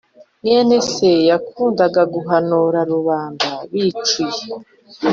Mwene se yakundaga guhanura rubanda bicuye